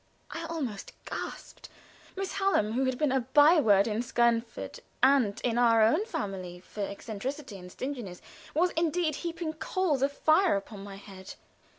I almost gasped. Miss Hallam, who had been a by word in Skernford, and in our own family, for eccentricity and stinginess, was indeed heaping coals of fire upon my head.